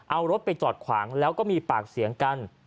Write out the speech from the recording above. เอารถไปจอดขวางแล้วก็มีปากเสียงกัน